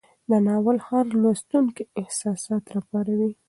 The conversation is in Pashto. دا ناول د هر لوستونکي احساسات راپاروي.